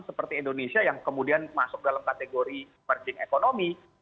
seperti indonesia yang kemudian masuk dalam kategori emerging economy